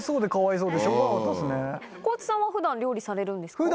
地さんは普段料理されるんですか？